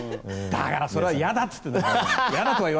だからそれは嫌だって！